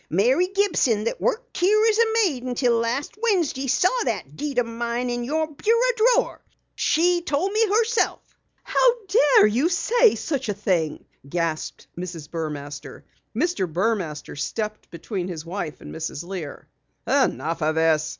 Mary Gibson that worked out here as maid until last Wednesday saw that deed o' mine in your bureau drawer. She told me herself!" "How dare you say such a thing!" gasped Mrs. Burmaster. Mr. Burmaster stepped between his wife and Mrs. Lear. "Enough of this!"